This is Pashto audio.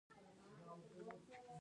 کاناډا د معلولینو اداره لري.